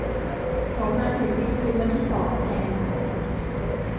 เขามาถึงในคืนวันที่สองแทน